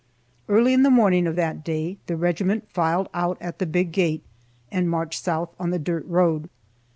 Early in the morning of that day, the regiment filed out at the big gate, and marched south on the dirt road.